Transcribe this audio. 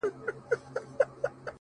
• په پسته ژبه دي تل يم نازولى,